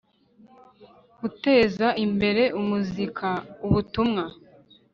guteza imbere umuzika ubutumwa